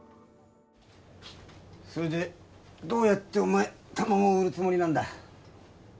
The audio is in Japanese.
それでどうやってお前卵売るつもりなんだ？